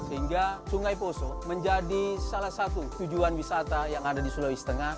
sehingga sungai poso menjadi salah satu tujuan wisata yang ada di sulawesi tengah